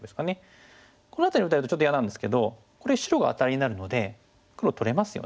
この辺り打たれるとちょっと嫌なんですけどこれ白がアタリになるので黒取れますよね。